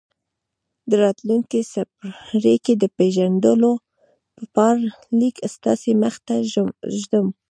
د راتلونکي څپرکي د پېژندلو په پار ليک ستاسې مخې ته ږدم.